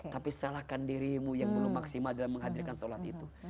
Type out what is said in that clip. tapi salahkan dirimu yang belum maksimal dalam menghadirkan sholat itu